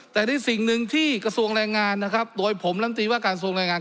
แต่ในสิ่งหนึ่งที่กระทรวงแรงงานนะครับโดยผมลำตีว่าการทรวงแรงงาน